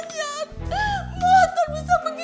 kenapa motor lu jadul ya